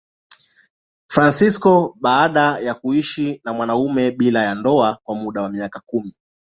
Fransisko baada ya kuishi na mwanamume bila ya ndoa kwa muda wa miaka kumi.